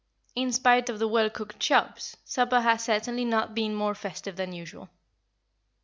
In spite of the well cooked chops, supper had certainly not been more festive than usual.